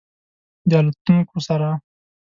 د الوتونکو سره